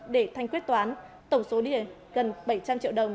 để thanh quyết toán tổng số tiền gần bảy trăm linh triệu đồng